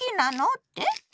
って？